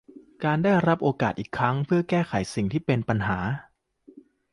การได้รับโอกาสอีกครั้งเพื่อแก้ไขสิ่งที่เป็นปัญหา